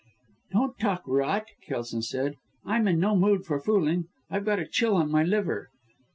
"Don't talk rot," Kelson said. "I'm in no mood for fooling, I've got a chill on my liver."